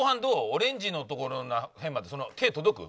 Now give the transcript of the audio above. オレンジのところら辺まで手届く？